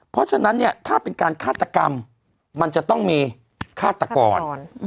เพราะฉะนั้นเนี่ยถ้าเป็นการฆาตกรรมมันจะต้องมีฆาตกร